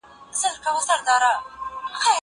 زه کتابونه نه لولم؟!